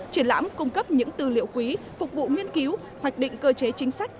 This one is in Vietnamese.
triển lãm cung cấp những tư liệu quý phục vụ nghiên cứu hoạch định cơ chế chính sách